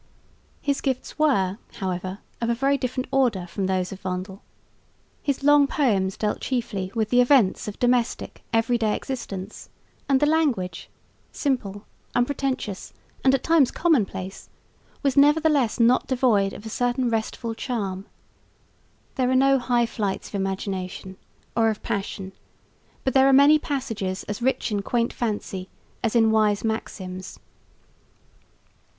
His gifts were, however, of a very different order from those of Vondel. His long poems dealt chiefly with the events of domestic, every day existence; and the language, simple, unpretentious and at times commonplace, was nevertheless not devoid of a certain restful charm. There are no high flights of imagination or of passion, but there are many passages as rich in quaint fancy as in wise maxims.